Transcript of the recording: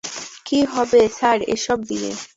কি হবে স্যার এসব দিয়ে?